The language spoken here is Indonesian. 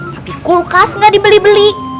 tapi kulkas nggak dibeli beli